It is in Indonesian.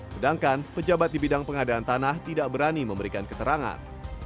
sedangkan pejabat di bidang pengadaan tanah tidak berani memberikan keterangan